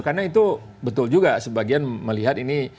karena itu betul juga sebagian melihat ini